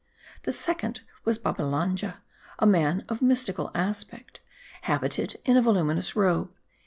The second was Babhalanja, a man of a mystical aspect, habited in a voluminous robe.